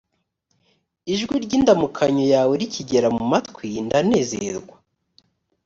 ijwi ry’indamukanyo yawe rikigera mu matwi ndanezerwa